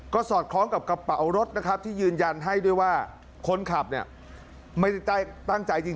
ก็สอดคล้องกับกระเป๋ารถนะครับที่ยืนยันให้ด้วยว่าคนขับเนี่ยไม่ได้ตั้งใจจริง